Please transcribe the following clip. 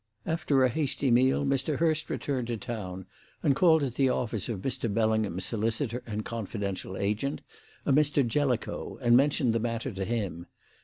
"After a hasty meal Mr. Hurst returned to town and called at the office of Mr. Bellingham's solicitor and confidential agent, a Mr. Jellicoe, and mentioned the matter to him.